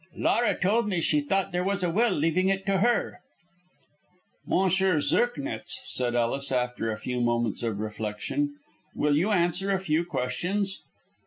"Laura told me she thought there was a will leaving it to her." "M. Zirknitz," said Ellis, after a few moments of reflection, "will you answer a few questions?"